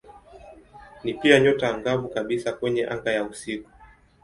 Ni pia nyota angavu kabisa kwenye anga ya usiku.